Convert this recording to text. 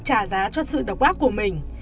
trả giá cho sự độc ác của mình